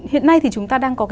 hiện nay thì chúng ta đang có